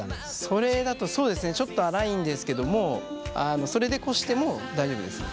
それだとそうですねちょっと粗いんですけどもそれでこしても大丈夫ですよ。